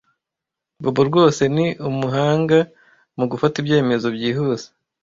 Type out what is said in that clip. Bobo rwose ni umuhanga mu gufata ibyemezo byihuse.